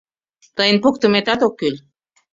Тыйын поктыметат ок кӱл.